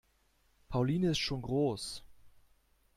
Pauline ist schon groß.